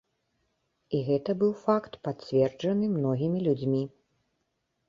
І гэта быў факт, пацверджаны многімі людзьмі.